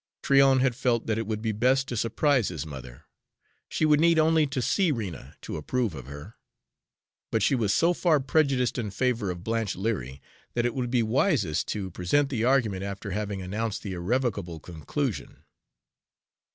Tryon had felt that it would be best to surprise his mother. She would need only to see Rena to approve of her, but she was so far prejudiced in favor of Blanche Leary that it would be wisest to present the argument after having announced the irrevocable conclusion.